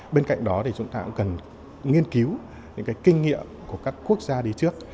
bên cạnh đó thì chúng ta cũng cần nghiên cứu những cái kinh nghiệm của các quốc gia đi trước